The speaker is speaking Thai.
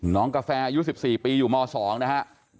น้องกาแฟยู๑๔ปีอยู่ม๒นะครับ